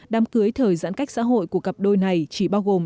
đám cưới thời giãn cách xã hội của cặp đôi này chỉ bao gồm